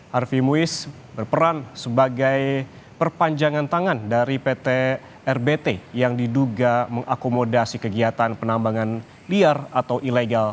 harvey muiz berperan sebagai perpanjangan tangan dari pt rbt yang diduga mengakomodasi kegiatan penambangan liar atau ilegal